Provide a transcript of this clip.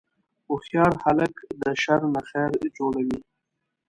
هوښیار خلک د شر نه خیر جوړوي.